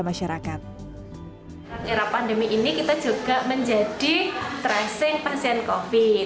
masyarakat nyerah pandemi ini kita juga menjadi tracing pasien covid sembilan belas